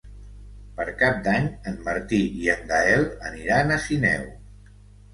Per Cap d'Any en Martí i en Gaël aniran a Sineu.